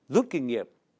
rút kinh nghiệm